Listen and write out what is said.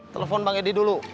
telepon bang edi dulu